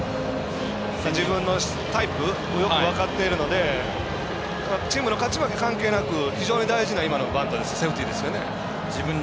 自分のタイプをよく分かっているのでチームの勝ち負け関係なく非常に大事なセーフティーバントですね。